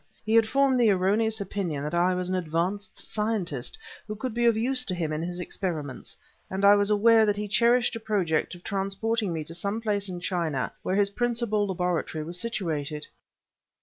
He had formed the erroneous opinion that I was an advanced scientist who could be of use to him in his experiments and I was aware that he cherished a project of transporting me to some place in China where his principal laboratory was situated.